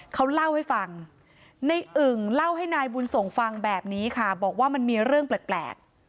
เขาเล่าให้ฟังในอึ่งเล่าให้นายบุญส่งฟังแบบนี้ค่ะบอกว่ามันมีเรื่องแปลก